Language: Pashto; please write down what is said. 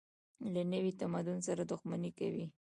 له نوي تمدن سره دښمني کوي.